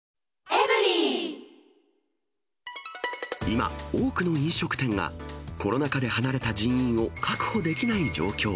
今、多くの飲食店がコロナ禍で離れた人員を確保できない状況。